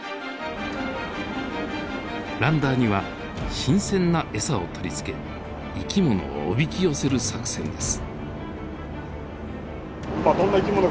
ランダーには新鮮な餌を取り付け生き物をおびき寄せる作戦です。